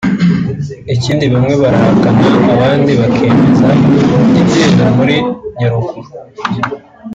Ikindi bamwe barahakana abandi bakemeza i gitero muri Nyaruguru